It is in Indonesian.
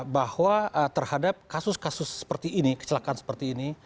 bahwa terhadap kasus kasus seperti ini kecelakaan seperti ini